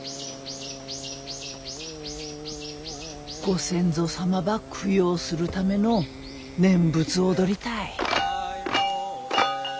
ご先祖様ば供養するための念仏踊りたい。